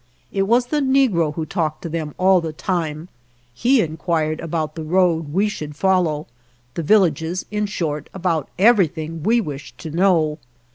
It was the negro who talked to them all the time ; he inquired about the road we should follow, the villages in short, about everything we wished to know.